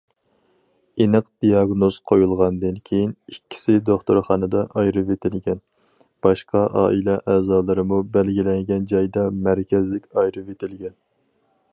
ئېنىق دىياگنوز قويۇلغاندىن كېيىن، ئىككىسى دوختۇرخانىدا ئايرىۋېتىلگەن، باشقا ئائىلە ئەزالىرىمۇ بەلگىلەنگەن جايدا مەركەزلىك ئايرىۋېتىلگەن.